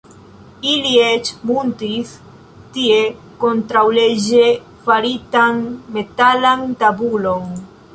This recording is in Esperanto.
Ili eĉ muntis tie kontraŭleĝe faritan metalan tabulon.